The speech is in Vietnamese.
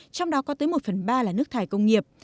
trong đó có tới một phần ba là nước thải công nghiệp